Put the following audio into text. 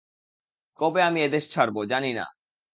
কবে আমি এদেশ ছাড়ব জানি না।